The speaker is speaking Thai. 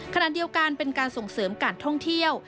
ขณะเดียวกันเป็นการส่งเสริมการท่องเที่ยว